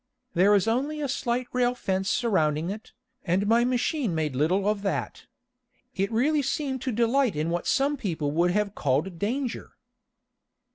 There is only a slight rail fence surrounding it, and my machine made little of that. It really seemed to delight in what some people would have called danger.